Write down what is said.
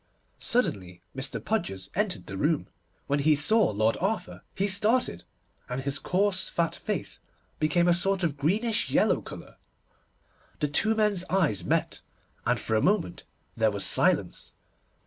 Suddenly Mr. Podgers entered the room. When he saw Lord Arthur he started, and his coarse, fat face became a sort of greenish yellow colour. The two men's eyes met, and for a moment there was silence.